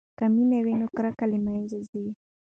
که مینه وي نو کرکه له منځه ځي.